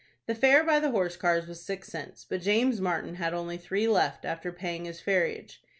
The fare by the horse cars was six cents, but James Martin had only three left after paying his ferriage.